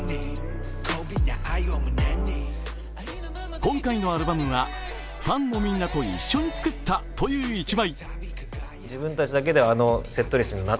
今回のアルバムはファンのみんなと一緒に作ったという１枚。